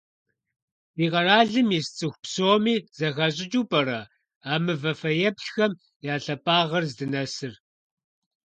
Ди къэралым ис цIыху псоми зэхащIыкIыу пIэрэ а мывэ фэеплъхэм я лъапIагъыр здынэсыр?